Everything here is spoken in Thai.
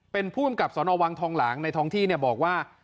เป็นผู้กำกับสนวังทองหลางในท้องที่บอกว่า